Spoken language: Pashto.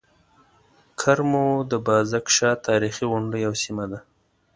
کرمو د بازک شاه تاريخي غونډۍ او سيمه ده.